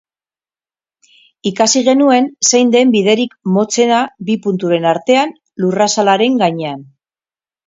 Ikasi genuen zein den biderik motzena bi punturen artean lurrazalaren gainean.